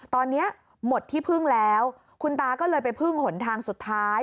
ตอนนี้หมดที่พึ่งแล้วคุณตาก็เลยไปพึ่งหนทางสุดท้าย